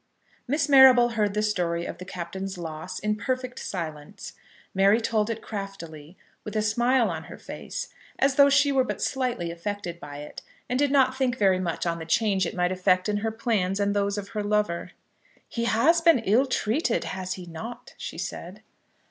Miss Marrable heard the story of the Captain's loss in perfect silence. Mary told it craftily, with a smile on her face, as though she were but slightly affected by it, and did not think very much on the change it might effect in her plans and those of her lover. "He has been ill treated; has he not?" she said.